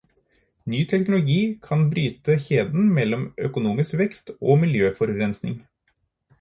Ny teknologi kan bryte kjeden mellom økonomisk vekst og miljøforurensning.